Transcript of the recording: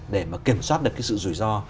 để kiểm soát được cái sự rủi ro